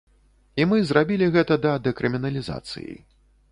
І мы зрабілі гэта да дэкрыміналізацыі.